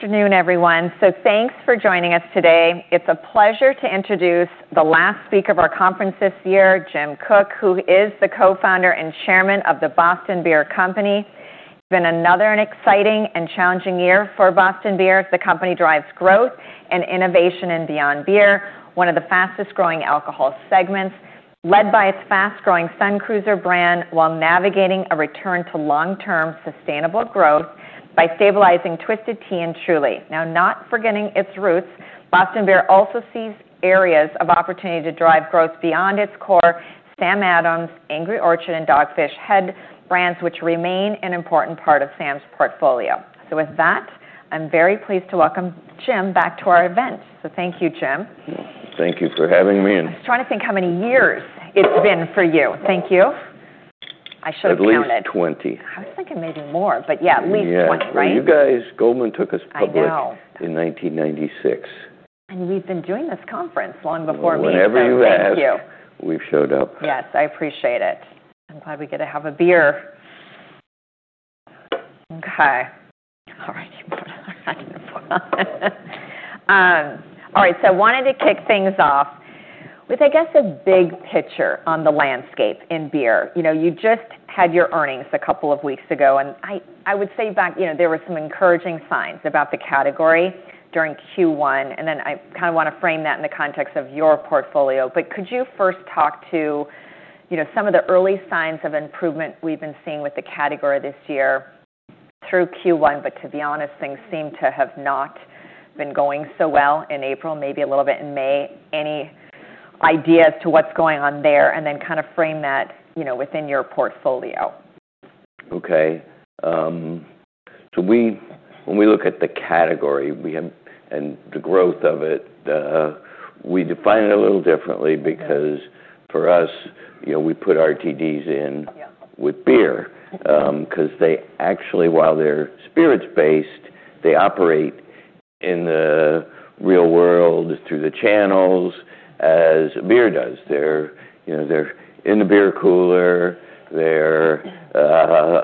Afternoon, everyone. Thanks for joining us today. It's a pleasure to introduce the last speaker of our conference this year, Jim Koch, who is the Co-Founder and Chairman of the Boston Beer Company. It's been an exciting and challenging year for Boston Beer. The company drives growth and innovation in Beyond Beer, one of the fastest growing alcohol segments, led by its fast-growing Sun Cruiser brand, while navigating a return to long-term sustainable growth by stabilizing Twisted Tea and Truly. Not forgetting its roots, Boston Beer also sees areas of opportunity to drive growth beyond its core Samuel Adams, Angry Orchard, and Dogfish Head brands, which remain an important part of SAM's portfolio. With that, I'm very pleased to welcome Jim back to our event. Thank you, Jim. Thank you for having me. I was trying to think how many years it's been for you. Thank you. I should have counted. At least 20. I was thinking maybe more, but yeah, at least 20. Yeah. Right. Well, you guys, Goldman took us public. I know. In 1996. We've been doing this conference long before me. Whenever you ask- Thank you. We've showed up. Yes, I appreciate it. I'm glad we get to have a beer. Okay. All righty. All right, I wanted to kick things off with, I guess, the big picture on the landscape in beer. You know, you just had your earnings a couple of weeks ago, and I would say back, you know, there were some encouraging signs about the category during Q1, and then I kinda wanna frame that in the context of your portfolio. Could you first talk to, you know, some of the early signs of improvement we've been seeing with the category this year through Q1, but to be honest, things seem to have not been going so well in April, maybe a little bit in May. Any idea as to what's going on there, and then kinda frame that, you know, within your portfolio? Okay. When we look at the category and the growth of it, we define it a little differently because for us, you know, we put RTD. Yeah. With beer. Okay. ‘Cause they actually, while they're spirits based, they operate in the real world through the channels as beer does. They're, you know, they're in the beer cooler. Yeah.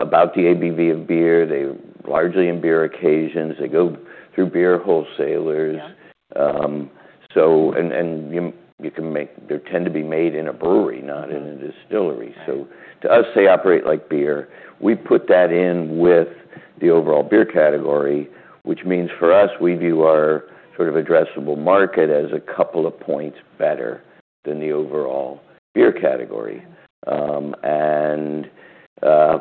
About the ABV of beer. They're largely in beer occasions. They go through beer wholesalers. Yeah. They tend to be made in a brewery. Not in a distillery. Right. To us, they operate like beer. We put that in with the overall beer category, which means for us, we view our sort of addressable market as a couple of points better than the overall beer category.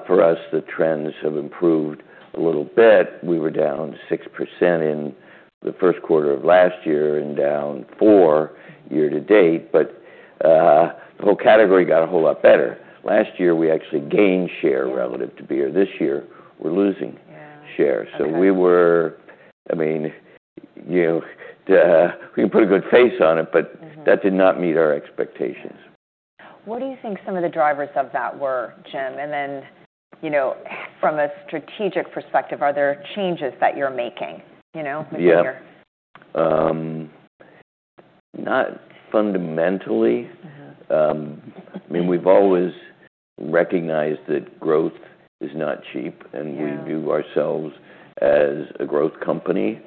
For us, the trends have improved a little bit. We were down 6% in the first quarter of last year, and down 4% year to date. The whole category got a whole lot better. Last year we actually gained share. Yeah. Relative to beer. This year, we're- Yeah. Share. Okay. We were, I mean, you know, we can put a good face on it but that did not meet our expectations. What do you think some of the drivers of that were, Jim? You know, from a strategic perspective, are there changes that you're making, you know, in the beer? Yeah. Not fundamentally. I mean, we've always recognized that growth is not cheap, and- No. View ourselves as a growth company.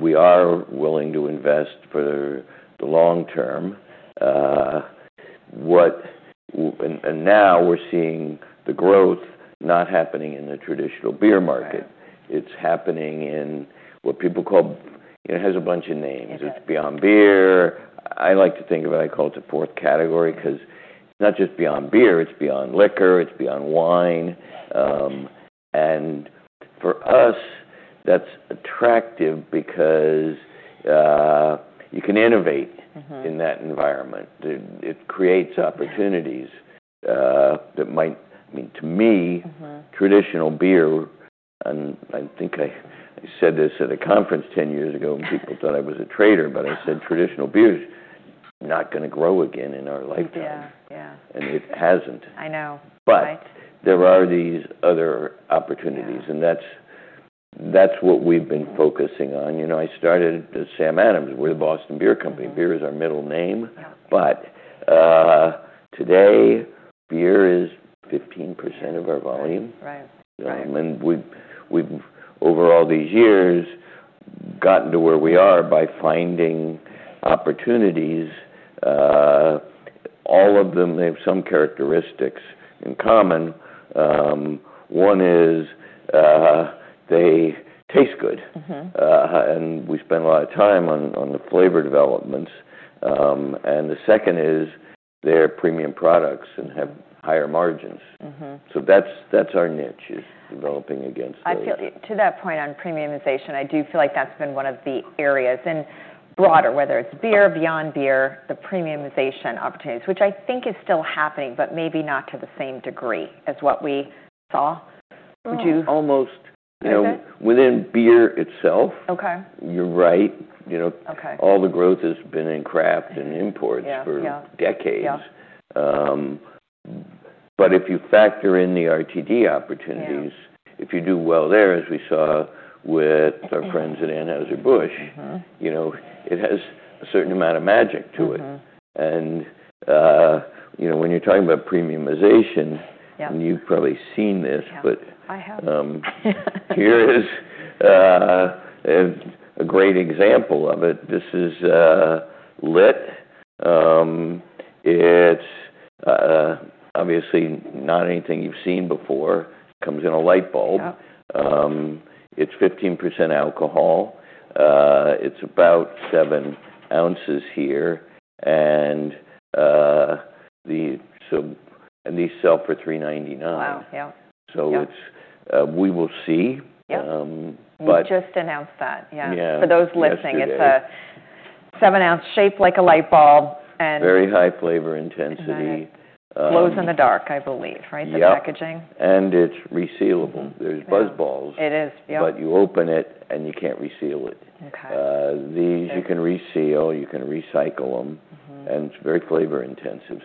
We are willing to invest for the long term. Now we're seeing the growth not happening in the traditional beer market. Right. It's happening in what people call, it has a bunch of names. It does. It's beyond beer. I like to think of it, I call it the fourth category because it's not just beyond beer, it's beyond liquor, it's beyond wine. For us, that's attractive because, you can innovate in that environment. It creates opportunities. Yeah. Uh, that might I mean, to me, traditional beer, I think I said this at a conference 10 years ago, and people thought I was a traitor, but I said, traditional beer's not gonna grow again in our lifetime. Yeah, yeah. It hasn't. I know, right. There are these other opportunities. Yeah. That's what we've been focusing on. You know, I started Samuel Adams. We're the Boston Beer Company. Beer is our middle name. Yeah. Today, beer is 15% of our volume. Right, right. We've over all these years gotten to where we are by finding opportunities. All of them have some characteristics in common. One is, they taste good. We spend a lot of time on the flavor developments. The second is, they're premium products and have higher margins. That's our niche, is developing against those. To that point on premiumization, I do feel like that's been one of the areas. Broader, whether it's beer, beyond beer, the premiumization opportunities, which I think is still happening, but maybe not to the same degree as what we saw. Almost- Is it? You know, within beer itself. Okay. You're right, you know. Okay. All the growth has been in craft and imports. Yeah. For decades. Yeah. If you factor in the RTD opportunities. Yeah. If you do well there, as we saw with our friends at Anheuser-Busch. You know, it has a certain amount of magic to it. You know, when you're talking about premiumization. Yeah. You've probably seen this. I have. Here is a great example of it, this is LYTT. It's obviously not anything you've seen before. Comes in a light bulb. Yeah. It's 15% alcohol. It's about 7 oz here, and these sell for $3.99. Wow. Yeah. Yeah. We will see. Yeah. Um, but- You just announced that. Yeah. Yeah, yesterday. For those listening, it's a 7-oz shaped like a light bulb. Very high flavor intensity. It glows in the dark, I believe, right? Yep. The packaging. It's resealable. Mm-hmm. Yeah. There's BuzzBallz. It is. Yep. You open it, and you can't reseal it. Okay. Uh- Sure. These you can reseal, you can recycle them. It's very flavor intensive.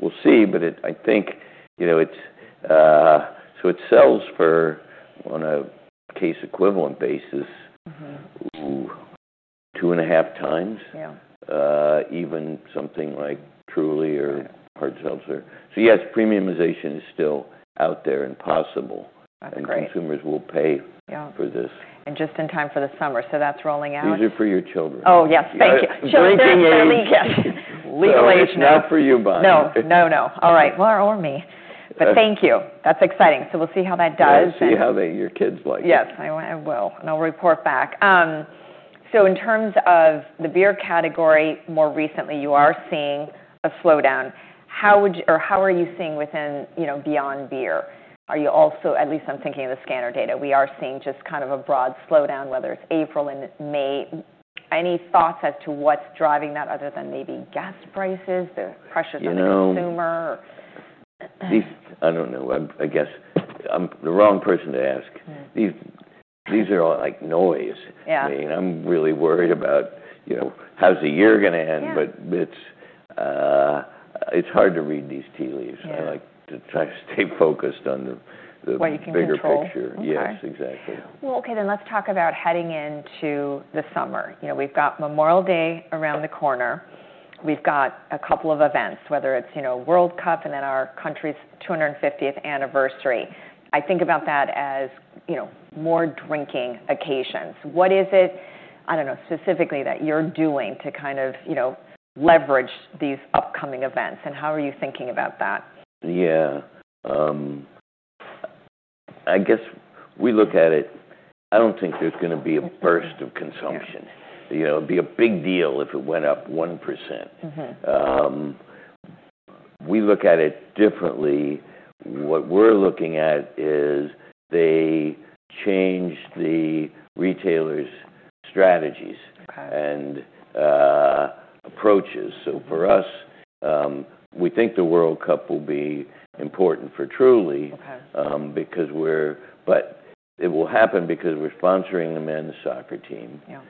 We'll see, but I think, you know, it's it sells for, on a case equivalent basis-ooh, 2.5 times Yeah. Even something like Truly or Hard Seltzer. Yes, premiumization is still out there and possible. That's great. And consumers will pay- Yeah. For this. Just in time for the summer. That's rolling out. These are for your children. Oh, yes. Thank you. Yeah. Children. Drinking age. Legal. Yes. Legal age. It's not for you, Bonnie. No. No, no. All right. Well, or me. That's- Thank you. That's exciting. We'll see how that does. Yeah, see how your kids like it. Yes. I will, and I'll report back. In terms of the beer category, more recently you are seeing a slowdown. How are you seeing within, you know, beyond beer? Are you also, at least I'm thinking of the scanner data, we are seeing just kind of a broad slowdown, whether it's April and May. Any thoughts as to what's driving that, other than maybe gas prices, the pressures? You know. On the consumer? These, I don't know. I'm, I guess, I'm the wrong person to ask. These are all, like, noise. Yeah. I mean, I'm really worried about, you know, how's the year gonna end? Yeah. It's hard to read these tea leaves. Yeah. I like to try to stay focused on the- What you can control. Bigger picture. Okay. Yes, exactly. Okay, let's talk about heading into the summer. You know, we've got Memorial Day around the corner. We've got a couple of events, whether it's, you know, World Cup and our country's 250th Anniversary. I think about that as, you know, more drinking occasions. What is it, I don't know, specifically that you're doing to kind of, you know, leverage these upcoming events, and how are you thinking about that? Yeah. I guess we look at it, I don't think there's gonna be a burst of consumption. Yeah. You know, it'd be a big deal if it went up 1%. We look at it differently. What we're looking at is they change the retailers' strategies. Okay. And approaches. For us, we think the World Cup will be important for Truly. Okay. But it will happen because we're sponsoring the men's soccer team. Yeah.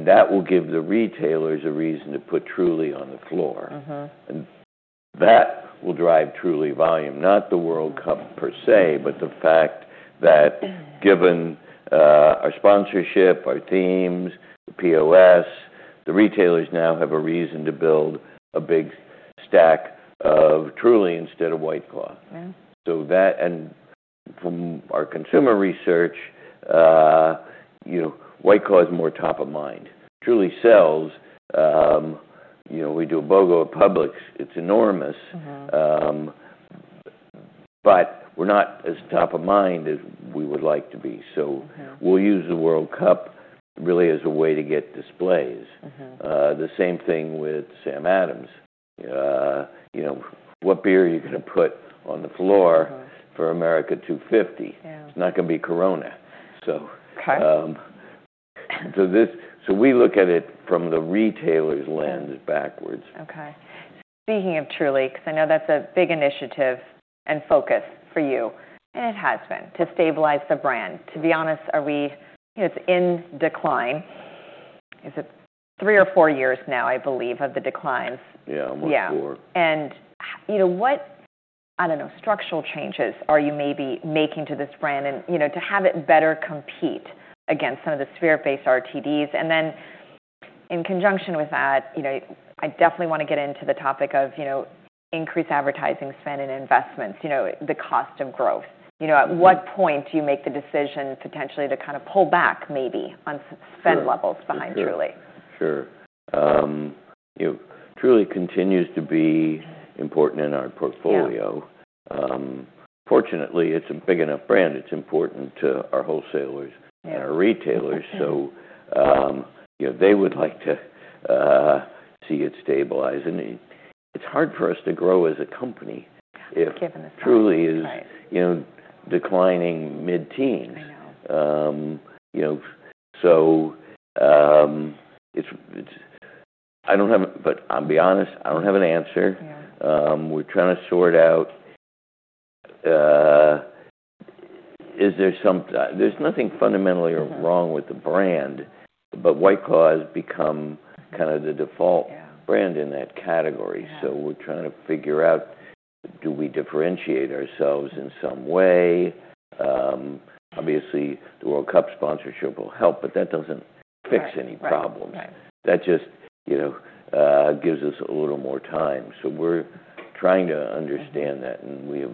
That will give the retailers a reason to put Truly on the floor. That will drive Truly volume, not the World Cup per se. Yeah. Given, our sponsorship, our teams, the POS, the retailers now have a reason to build a big stack of Truly instead of White Claw. Yeah. That, and from our consumer research, you know, White Claw is more top of mind. Truly sells, you know, we do a BOGO at Publix. It's enormous. We're not as top of mind as we would like to be. Yeah. We'll use the World Cup really as a way to get displays. The same thing with Samuel Adams. You know, what beer are you gonna put on the floor? On the floor. for America 250th Anniversary? Yeah. It's not gonna be Corona, so. Okay. We look at it from the retailer's lens backwards. Okay. Speaking of Truly, 'cause I know that's a big initiative and focus for you, and it has been, to stabilize the brand. To be honest, It's in decline. Is it three or four years now, I believe, of the decline? Yeah, more than four. Yeah. You know, what, I don't know, structural changes are you maybe making to this brand and, you know, to have it better compete against some of the spirit-based RTD? In conjunction with that, you know, I definitely wanna get into the topic of, you know, increased advertising spend and investments, you know, the cost of growth, at what point do you make the decision potentially to kind of pull back maybe on- Sure. Sure Spend levels behind Truly? Sure. you know, Truly continues to be important in our portfolio. Yeah. Fortunately, it's a big enough brand. It's important to our wholesalers. Yeah. And our retailers. Okay. You know, they would like to see it stabilize. It's hard for us to grow as a company. Yeah, given the size. Truly is- Right. You know, declining mid-14%-16%. I know. You know, I'll be honest, I don't have an answer. Yeah. We're trying to sort out, there's nothing fundamentally wrong with the brand, but White Claw has become kind of the default. Yeah. Brand in that category. Yeah. We're trying to figure out, do we differentiate ourselves in some way? Obviously, the World Cup sponsorship will help, but that doesn't fix any problems. Right. Right. Right. That just, you know, gives us a little more time. We're trying to understand that, and we have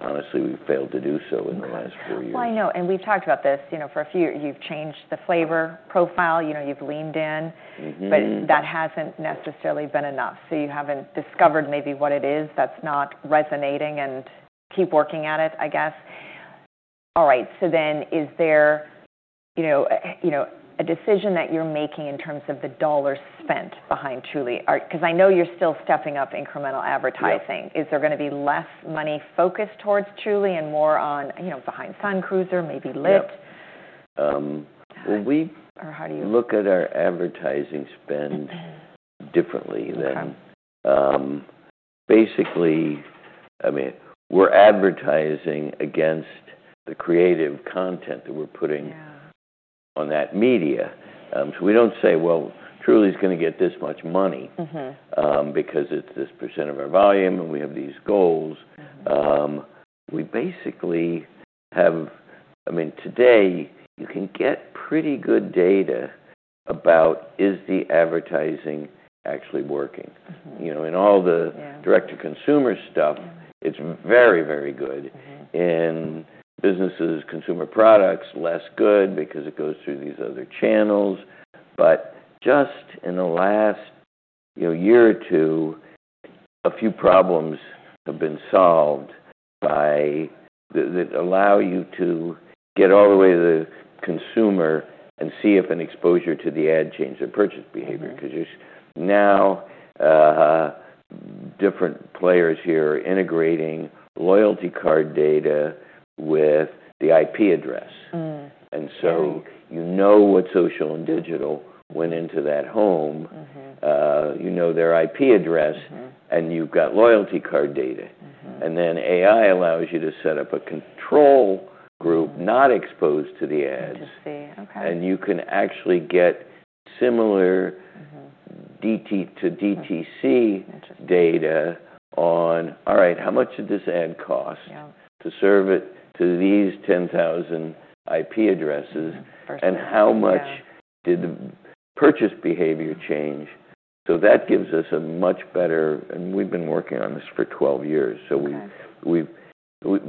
honestly, we've failed to do so in the last four years. Well, I know, and we've talked about this, you know. You've changed the flavor profile, you know, you've leaned in. Hmm. That hasn't necessarily been enough, so you haven't discovered maybe what it is that's not resonating and keep working at it, I guess. All right. Is there, you know, a, you know, a decision that you're making in terms of the dollars spent behind Truly? 'Cause I know you're still stepping up incremental advertising. Yeah. Is there gonna be less money focused towards Truly and more on, you know, behind Sun Cruiser, maybe LYTT? Yeah. well- Or how do you- Look at our advertising spend differently than. Okay. Basically, I mean, we're advertising against the creative content that we're putting- Yeah On that media. We don't say, "Well, Truly's gonna get this much money, because it's this percent of our volume, and we have these goals. We basically have I mean, today, you can get pretty good data about is the advertising actually working? You know, in all the- Yeah. Direct-to-consumer stuff. Yeah It's very, very good. In businesses, consumer products, less good because it goes through these other channels. Just in the last, you know, year or two, a few problems have been solved by that allow you to get all the way to the consumer and see if an exposure to the ad changes their purchase behavior. Cause you're now, different players here are integrating loyalty card data with the IP address. Yeah. You know what social and digital went into that home. You know their IP address. You've got loyalty card data. AI allows you to set up a control group not exposed to the ads. Interesting. Okay. You can actually get similar- DT, to DTC. Interesting Data on, all right, how much did this ad cost. Yeah. To serve it to these 10,000 IP addresses. First. And how much- Yeah. Did the purchase behavior change? That gives us a much better. We've been working on this for 12 years. Okay. We've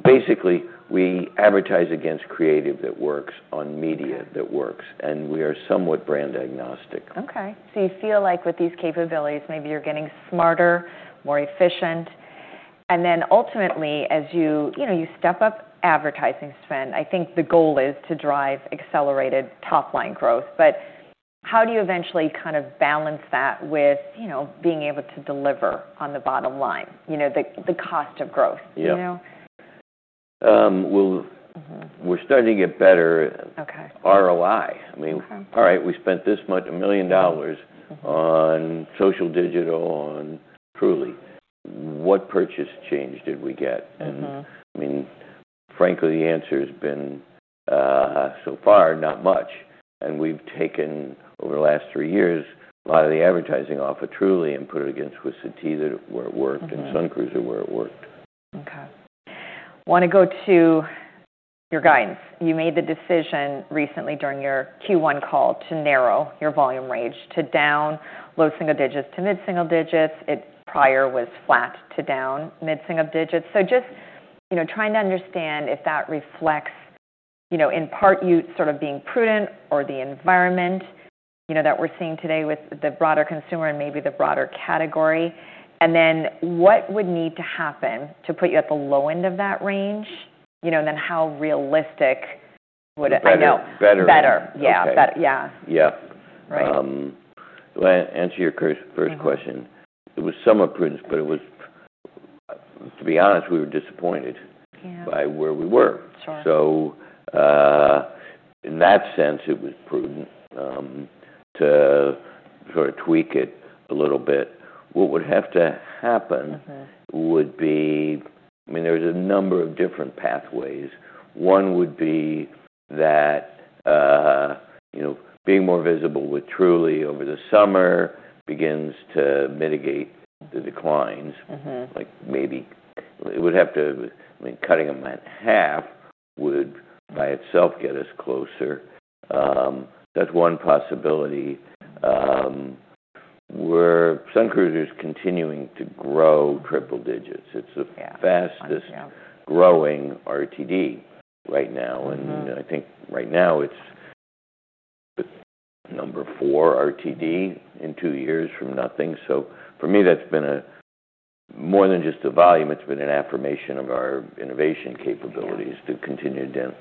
basically, we advertise against creative that works on media. Okay. That works, and we are somewhat brand agnostic. Okay. You feel like with these capabilities, maybe you're getting smarter, more efficient, and then ultimately, as you know, you step up advertising spend, I think the goal is to drive accelerated top-line growth. How do you eventually kind of balance that with, you know, being able to deliver on the bottom line? The cost of growth. Yeah. you know? Um, we'll, we're starting to get better. Okay. ROI. I mean. Okay. All right, we spent this much, $1 million. On social digital on Truly, what purchase change did we get? I mean, frankly, the answer's been so far, not much. We've taken, over the last three years, a lot of the advertising off of Truly and put it against Twisted Tea that, where it worked, Sun Cruiser where it worked. Okay. Wanna go to your guidance. You made the decision recently during your Q1 call to narrow your volume range to down low single digits to mid single digits. It prior was flat to down mid single digits. Just, you know, trying to understand if that reflects, you know, in part you sort of being prudent or the environment, you know, that we're seeing today with the broader consumer and maybe the broader category. What would need to happen to put you at the low end of that range? You know, how realistic would it. Better. I know. Better. Better. Okay. Yeah. Better, yeah. Yeah. Right. Well, I'll answer your first question. It was somewhat prudent, but it was, to be honest, we were disappointed. Yeah. By where we were. Sure. In that sense, it was prudent to sort of tweak it a little bit. What would have to happen? Hmm. Would be, I mean, there's a number of different pathways. One would be that, you know, being more visible with Truly over the summer begins to mitigate the declines. Hmm. Like, maybe. I mean, cutting them in 50% would by itself get us closer. That's one possibility. We're Sun Cruiser's continuing to grow triple digits. Yeah. It's the fastest- Yeah Growing RTD right now. I think right now it's the number 4 RTD in two years from nothing. For me, that's been more than just a volume, it's been an affirmation of our innovation capabilities. Yeah. To continue to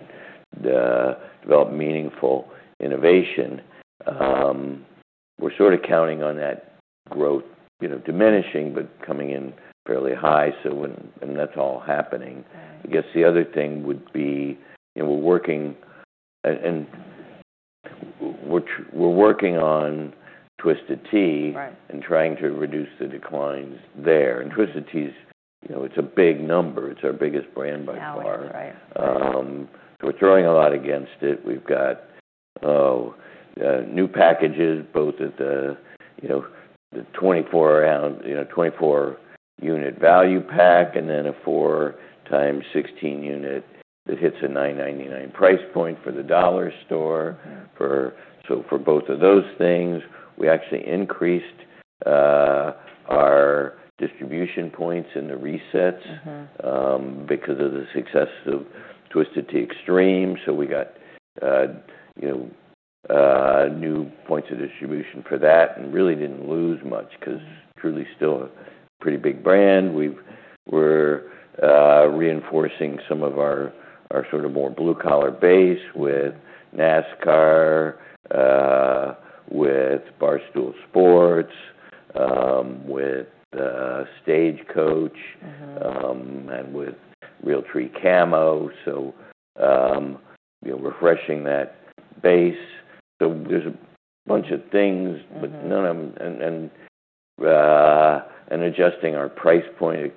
develop meaningful innovation. We're sort of counting on that growth, you know, diminishing, but coming in fairly high and that's all happening. Right. I guess the other thing would be, we're working on Twisted Tea. Right. Trying to reduce the declines there. Twisted Tea's, you know, it's a big number. It's our biggest brand by far. Yeah, right. Right. We're throwing a lot against it. We've got new packages both at the, you know, the 24 oz, you know, 24 unit value pack, and then a 4x16 unit that hits a $9.99 price point for the dollar store. Yeah. For both of those things, we actually increased our distribution points in the resets. Because of the success of Twisted Tea Extreme, so we got new points of distribution for that and really didn't lose much, 'cause Truly's still a pretty big brand. We're reinforcing some of our sort of more blue-collar base with NASCAR, with Barstool Sports, with Stagecoach. With Realtree Camo. You know, refreshing that base. There's a bunch of things. None of them: adjusting our price point.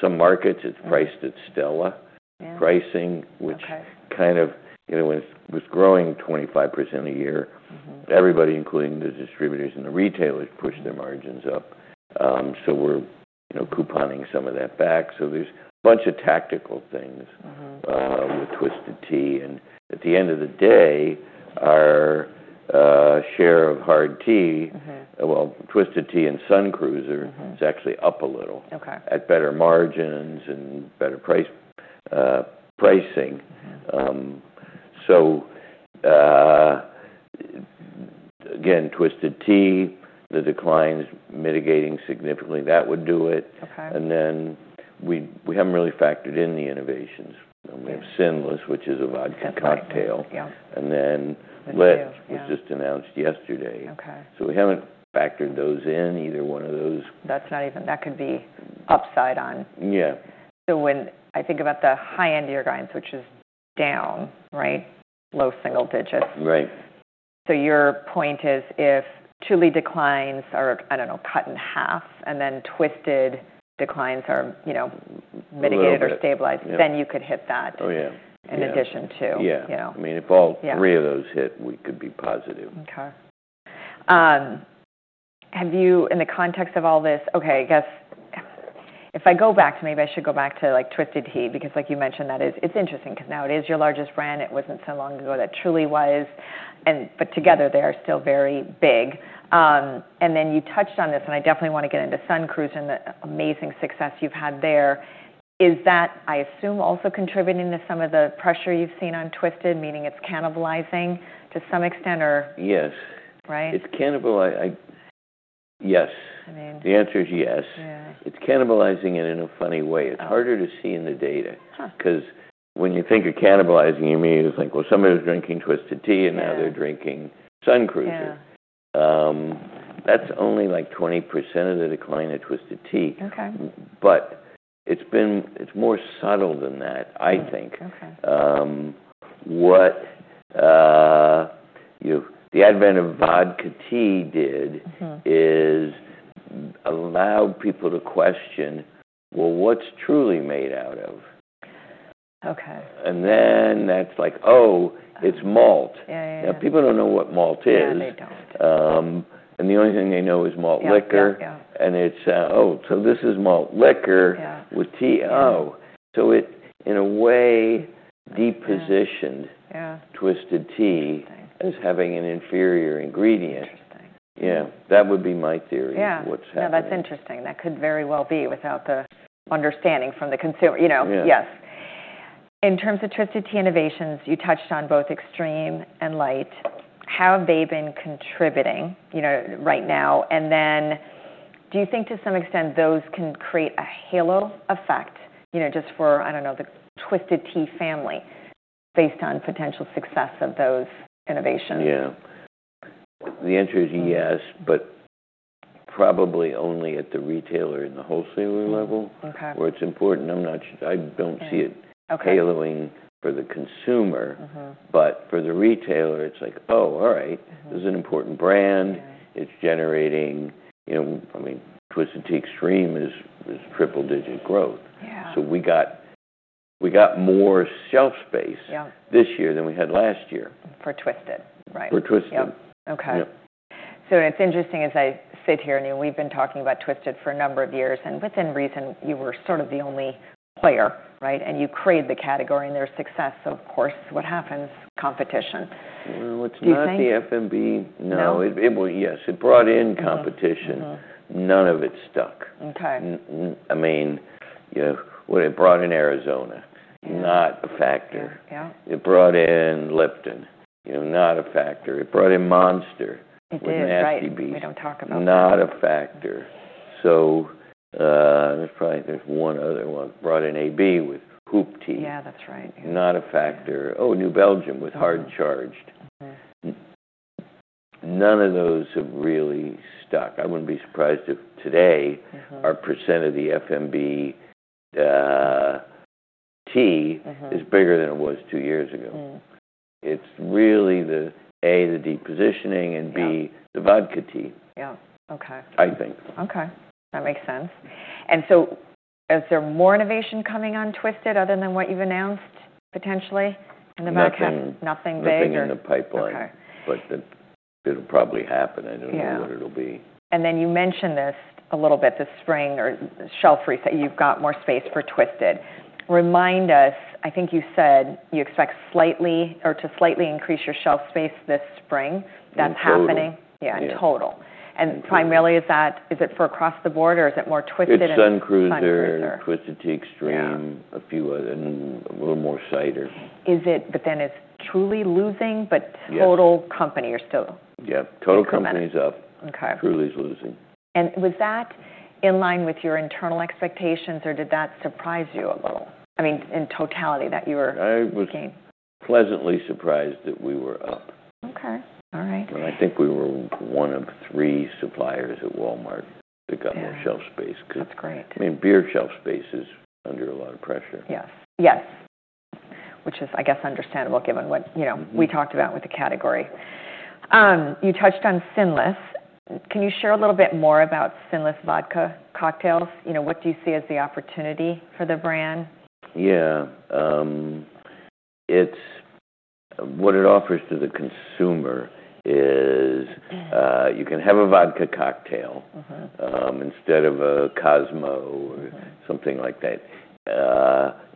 Some markets, it's- Right. Priced at Stella. Yeah. Pricing- Okay. Kind of, you know, it was growing 25% a year. Everybody, including the distributors and the retailers, pushed their margins up. We're, you know, couponing some of that back. There's a bunch of tactical things. With Twisted Tea and at the end of the day, our, share of hard tea. Hm. Well, Twisted Tea and Sun Cruiser is actually up a little- Okay. -at better margins and better pricing. Twisted Tea, the decline's mitigating significantly. That would do it. Okay. We haven't really factored in the innovations. You know. Okay. We have Sinless, which is a vodka cocktail. Yeah. And then LYTT- LYTT, yeah. Was just announced yesterday. Okay. We haven't factored those in, either one of those. That's not even, that could be upside on. Yeah. When I think about the high end of your guidance, which is down, right, low single digits. Right. Your point is if Truly declines are, I don't know, cut in 50% and then Twisted declines are, you know, mitigated. A little bit. Or stabilized. Yeah. You could hit that- Oh, yeah. Yeah -in addition to. Yeah. You know. I mean, if- Yeah. Three of those hit, we could be positive. Okay. Have you, in the context of all this, I guess if I go back to, maybe I should go back to, like, Twisted Tea because like you mentioned, that is, it's interesting 'cause now it is your largest brand. It wasn't so long ago that Truly was, together they are still very big. Then you touched on this, I definitely wanna get into Sun Cruiser and the amazing success you've had there. Is that, I assume, also contributing to some of the pressure you've seen on Twisted, meaning it's cannibalizing to some extent or? Yes. Right? It's cannibalizing. Yes. I mean. The answer is yes. Yeah. It's cannibalizing and in a funny way. How? It's harder to see in the data. Huh. When you think of cannibalizing, you immediately think, well, somebody was drinking Twisted Tea- Yeah. -they're drinking Sun Cruiser. Yeah. That's only like 20% of the decline at Twisted Tea. Okay. It's more subtle than that, I think. Okay. What, you know, the advent of vodka tea, is allowed people to question, "Well, what's Truly made out of? Okay. That's like, oh, it's malt. Yeah, yeah. Now people don't know what malt is. Yeah, they don't. The only thing they know is malt liquor. Yeah, yeah. It's, oh, so this is malt liquor- Yeah. -with tea. Oh. Yeah. It in a way de-positioned- Yeah. Twisted Tea- Interesting. -as having an inferior ingredient. Interesting. Yeah, that would be my theory- Yeah. -of what's happening. No, that's interesting. That could very well be without the understanding from the consumer. You know? Yeah. Yes. In terms of Twisted Tea innovations, you touched on both Twisted Tea Extreme and Twisted Tea Light. How have they been contributing, you know, right now? Do you think to some extent those can create a halo effect, you know, just for, I don't know, the Twisted Tea family based on potential success of those innovations? Yeah. The answer is yes, but probably only at the retailer and the wholesaler level. Okay. Where it's important, I'm not sure. I don't see it. Okay. Haloing for the consumer. Hmm. For the retailer it's like, "Oh, all right, this is an important brand. Yeah. You know, I mean, Twisted Tea Extreme is triple digit growth. Yeah. We got more shelf space. Yeah. This year than we had last year. For Twisted. Right. For Twisted. Yep. Okay. Yep. It's interesting as I sit here and, you know, we've been talking about Twisted for a number of years, and within reason you were sort of the only player, right? You created the category and their success, so of course what happens? Competition. Well, it's not- Do you think- -the FMB. No. No? It well, yes, it brought in competition. Mm-hmm, mm-hmm. None of it stuck. Okay. I mean, you know, well, it brought in AriZona. Yeah. Not a factor. Yeah. It brought in Lipton. You know, not a factor. It brought in Monster. It did, right? -with Nasty Beast. We don't talk about that. Not a factor. There's probably one other one. Brought in Anheuser-Busch with Hoop Tea. Yeah, that's right. Yeah. Not a factor. Oh, New Belgium with Hardcharged. Okay. None of those have really stuck. I wouldn't be surprised if today our percent of the FMB is bigger than it was two years ago. It's really the, A, the de-positioning. Yeah. B, the vodka tea. Yeah. Okay. I think. Okay. That makes sense. Is there more innovation coming on Twisted other than what you've announced potentially in the vodka? Nothing- Nothing big or- Nothing in the pipeline. Okay. It'll probably happen. I don't know- Yeah. -what it'll be. You mentioned this a little bit this spring, or shelf reset, you've got more space for Twisted. Remind us, I think you said you expect slightly, or to slightly increase your shelf space this spring. That's happening. In total. Yeah, in total. Yeah, in total. Primarily is that, is it for across the board, or is it more Twisted and? It's Sun Cruiser. Sun Cruiser. Twisted Tea Extreme. Yeah. A few and a little more cider. Is it, but then it's Truly losing- Yes. -total company or so? Yeah. Total company's up. Okay. Truly's losing. Was that in line with your internal expectations, or did that surprise you a little? I mean, in totality that you were gaining. I was pleasantly surprised that we were up. Okay. All right. I think we were one of three suppliers at Walmart that got- Yeah. -more shelf space. That's great. I mean, beer shelf space is under a lot of pressure. Yes. Yes, which is, I guess, understandable given what, you know, we talked about with the category. You touched on Sinless, can you share a little bit more about Sinless Vodka Cocktails? You know, what do you see as the opportunity for the brand? Yeah. What it offers to the consumers is, you can have a vodka cocktail- Hmm. -instead of a Cosmopolitan something like that,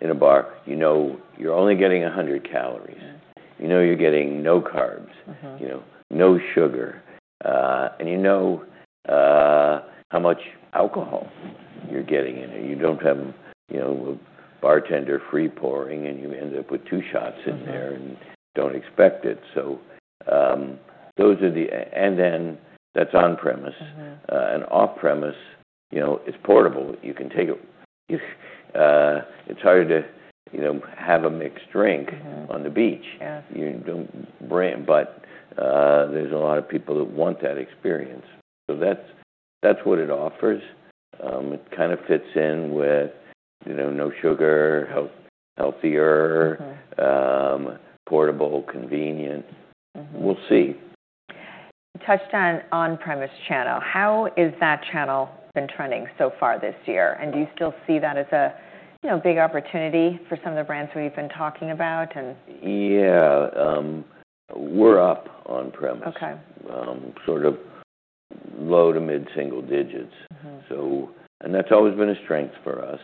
in a bar. You know you're only getting 100 calories. Yeah. You know you're getting no carbs. You know, no sugar, you know, how much alcohol you're getting in there. You don't have, you know, a bartender free pouring and you end up with two shots in there and don't expect it. those are the, and then that's on-premise. Off-premise, you know, it's portable. You can take it. It's hard to, you know, have a mixed drink on the beach. Yeah. There's a lot of people that want that experience. That's what it offers. It kind of fits in with, you know, no sugar, healthier, portable, convenient. We'll see. You touched on on-premise channel. How has that channel been trending so far this year? Do you still see that as a, you know, big opportunity for some of the brands we've been talking about? Yeah. We're up on-premise. Okay. Sort of low to mid-single digits. That's always been a strength for us.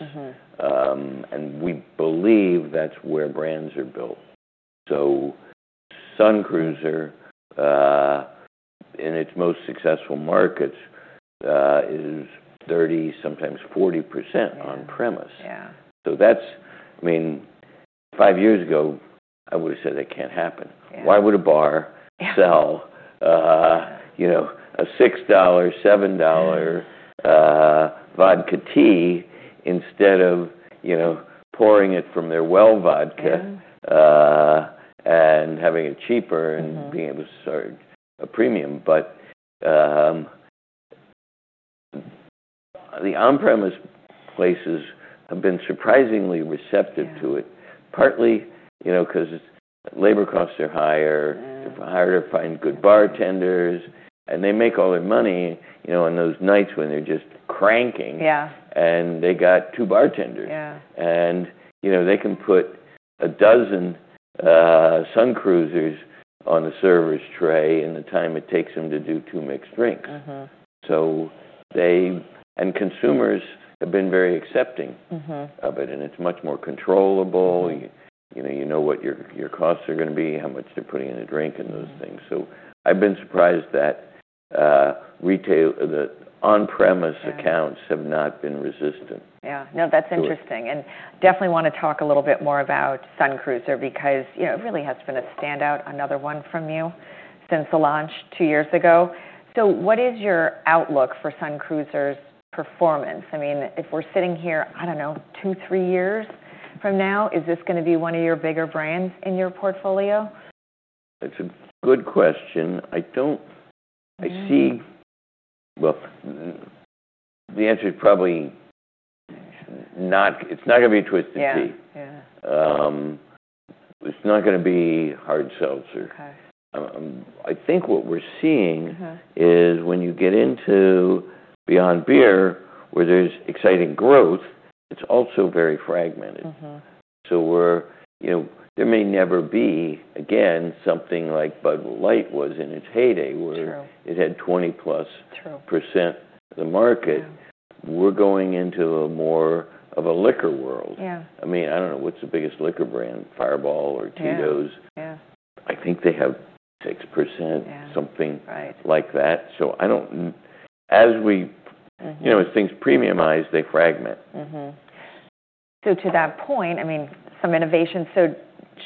We believe that's where brands are built. Sun Cruiser, in its most successful markets, is 30%, sometimes 40%- Yeah -on premise. Yeah. That's I mean, five years ago I would've said that can't happen. Yeah. Why would a bar- Yeah -sell, you know, a $6, $7 Yeah. Vodka tea instead of, you know, pouring it from their well vodka. Having it cheaper and being able to serve a premium. The on-premise places have been surprisingly receptive to it. Yeah. Partly, you know, 'cause labor costs are higher. Yeah. They're harder to find good bartenders, and they make all their money, you know, on those nights when they're just cranking. Yeah. They got two bartenders. Yeah. You know, they can put 12 Sun Cruisers on the server's tray in the time it takes them to do two mixed drinks. Consumers have been very accepting of it, and it's much more controllable. You know, you know what your costs are gonna be, how much they're putting in a drink and those things. I've been surprised that, retail, the on-premise accounts- Yeah. -have not been resistant- Yeah. No, that's interesting. -to it. Definitely wanna talk a little bit more about Sun Cruiser because, you know, it really has been a standout, another one from you since the launch two years ago. What is your outlook for Sun Cruiser's performance? I mean, if we're sitting here, I don't know, two, three years from now, is this gonna be one of your bigger brands in your portfolio? That's a good question. I don't- I see. Well, the answer is probably not, it's not gonna be Twisted Tea. Yeah. Yeah. It's not gonna be Hard Seltzer. Okay. I think what we're seeing is when you get into beyond beer where there's exciting growth, it's also very fragmented. You know, there may never be again something like Bud Light was in its heyday where- True. -it had 20%+- True -of the market. Yeah. We're going into a more of a liquor world. Yeah. I mean, I don't know what's the biggest liquor brand, Fireball or Tito's? Yeah. Yeah. I think they have 6%. Yeah. -something- Right -like that. I don't You know, as things premiumize, they fragment. To that point, I mean, some innovation, so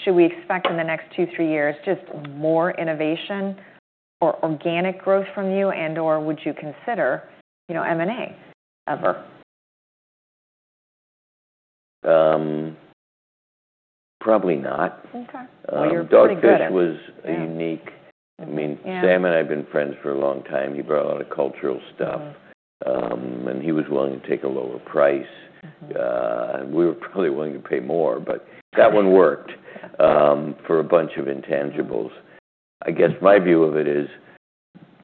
should we expect in the next two, three years just more innovation or organic growth from you? And/or would you consider, you know, M&A ever? Probably not. Okay. Well, you're pretty good at- Dogfish Head was a unique- Yeah. I mean- Yeah. Sam and I have been friends for a long time. He brought a lot of cultural stuff. He was willing to take a lower price. We were probably willing to pay more. Right. That one worked for a bunch of intangibles. I guess my view of it is,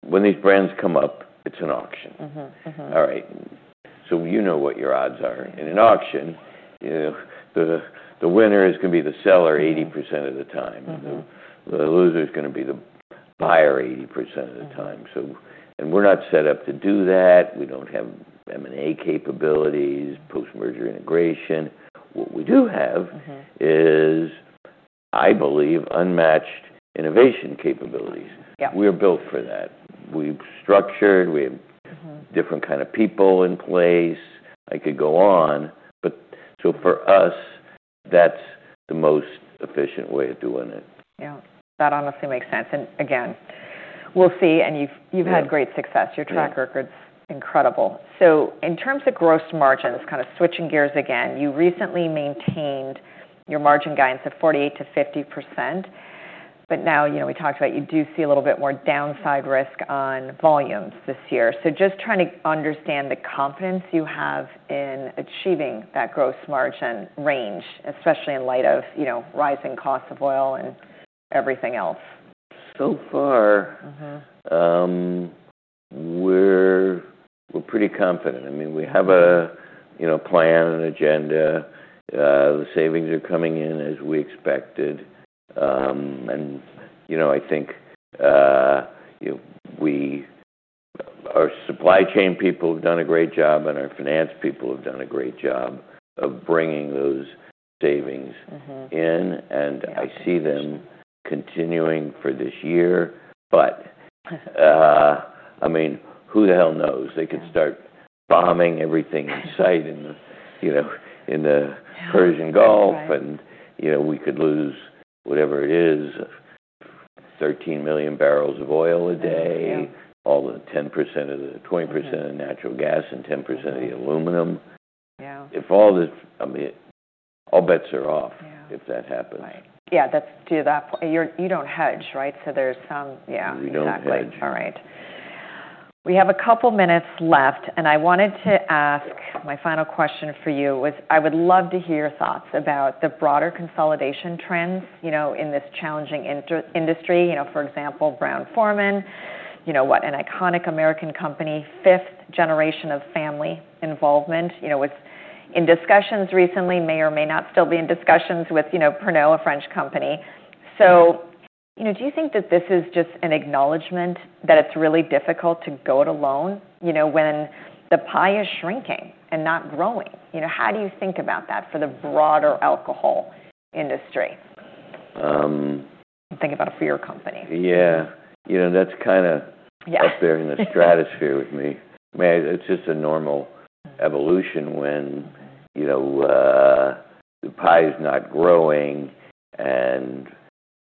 when these brands come up, it's an auction. Mm-hmm. Mm-hmm. All right. You know what your odds are. In an auction, you know, the winner is gonna be the seller 80% of the time. The loser's gonna be the buyer 80% of the time. We're not set up to do that. We don't have M&A capabilities, post-merger integration. What we do have, is I believe, unmatched innovation capabilities. Yeah. We're built for that. We've structured, different kind of people in place. I could go on, but so for us, that's the most efficient way of doing it. Yeah. That honestly makes sense. Again, we'll see. You've had great success. Yeah. Your track record's incredible. In terms of gross margins, kind of switching gears again, you recently maintained your margin guidance of 48%-50%, but now, you know, we talked about you do see a little bit more downside risk on volumes this year. Just trying to understand the confidence you have in achieving that gross margin range, especially in light of, you know, rising cost of oil and everything else. So far we're pretty confident. I mean, we have a, you know, plan, an agenda. The savings are coming in as we expected. You know, I think we, our supply chain people have done a great job, and our finance people have done a great job of bringing those savings in, and- Yeah. I see them continuing for this year. I mean, who the hell knows? Yeah. They could start bombing everything in sight in the, you know. Yeah. Persian Gulf. Right. You know, we could lose whatever it is, 13 MMbpd of oil a day. Yeah. All the 10% of the 20% of natural gas and 10% of the aluminum. Yeah. If all this I mean, all bets are off- Yeah. -if that happens. Right. Yeah, that's. You're, you don't hedge, right? There's some Yeah, exactly. We don't hedge. All right. We have a couple minutes left, and I wanted to ask, my final question for you was I would love to hear your thoughts about the broader consolidation trends, you know, in this challenging inter- industry. You know, for example, Brown-Forman. You know, what an iconic American company, fifth generation of family involvement, you know, was in discussions recently, may or may not still be in discussions with, you know, Pernod, a French company. You know, do you think that this is just an acknowledgement that it's really difficult to go it alone, you know, when the pie is shrinking and not growing? You know, how do you think about that for the broader alcohol industry? Um- Think about it for your company. Yeah. You know- Yeah. -up there in the stratosphere with me. I mean, it's just a normal evolution when, you know, the pie's not growing and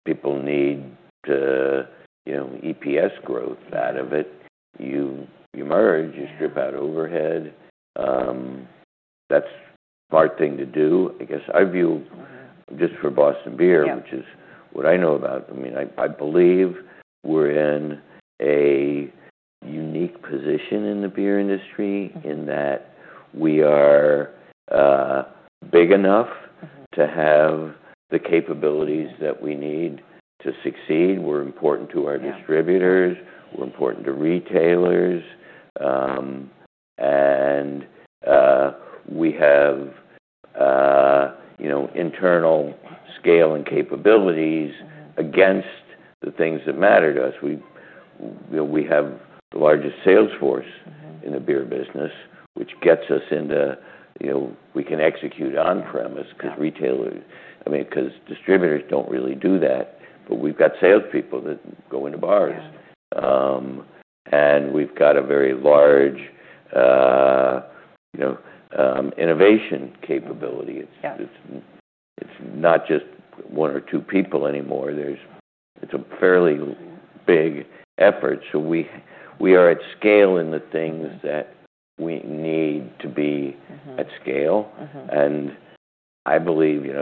people need to, you know, EPS growth out of it. You merge, you strip out overhead. That's a smart thing to do. I guess I view, just for Boston Beer- Yeah. -which is what I know about, I mean, I believe we're in a unique position in the beer industry, in that we are, big enough to have the capabilities that we need to succeed. We're important to our distributors. Yeah. We're important to retailers. We have, you know, internal scale and capabilities against the things that matter to us. We, you know, we have the largest sales force in the beer business, which gets us into, you know, we can execute on premise- Yeah. Yeah. -'cause retailers, I mean, 'cause distributors don't really do that. We've got salespeople that go into bars. Yeah. We've got a very large, you know, innovation capability. Yeah. It's not just one or two people anymore. Yeah. There's comparably big effort. We are at scale at the things that we need to be at scale. I believe, you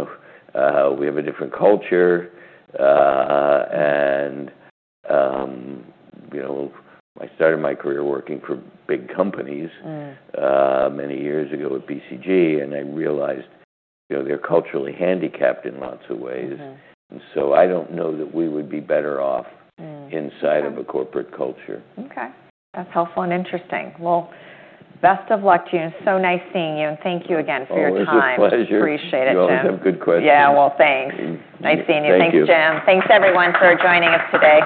know, we have a different culture. You know, I started my career working for big companies many years ago at BCG, and I realized, you know, they're culturally handicapped in lots of ways. I don't know that we would be better off- Yeah. -inside of a corporate culture. Okay. That's helpful and interesting. Well, best of luck to you, and it's so nice seeing you, and thank you again for your time. Always a pleasure. Appreciate it, Jim. You always have good questions. Yeah. Well, thanks. Y- you- Nice seeing you. Thank you. Thanks, Jim. Thanks, everyone, for joining us today.